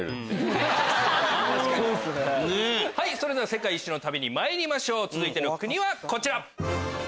世界一周の旅にまいりましょう続いての国はこちら。